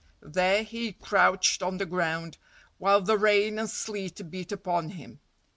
There he crouched on the ground, while the rain and sleet beat upon him.